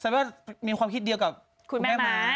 ว่ามีความคิดเดียวกับคุณแม่ม้า